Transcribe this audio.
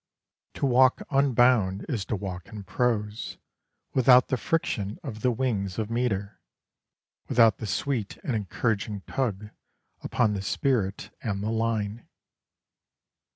To walk unbound is to walk in prose, without the friction of the wings of metre, without the sweet and encouraging tug upon the spirit and the line.